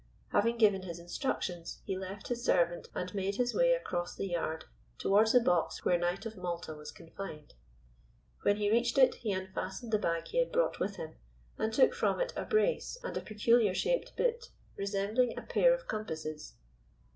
Having given his instructions, he left his servant and made his way across the yard towards the box where Knight of Malta was confined. When he reached it he unfastened the bag he had brought with him, and took from it a brace and a peculiar shaped bit, resembling a pair of compasses.